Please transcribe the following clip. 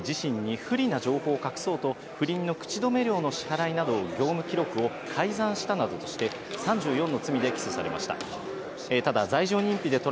トランプ氏は２０１６年の大統領選挙に絡み、自身に不利な情報を隠そうと、不倫の口止め料の支払いなどの業務記録を改ざんしたなどとして、３４の罪で起訴されました。